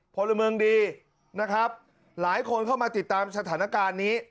พลเมืองดีนะครับหลายคนเข้ามาติดตามสถานการณ์นี้